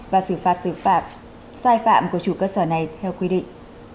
và xử phạt xử phạt sai phạm của chủ cơ sở này theo quy định